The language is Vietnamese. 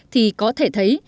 thì có thể thấy